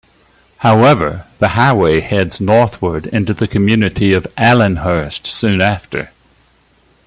However, the highway heads northward into the community of Allenhurst soon after.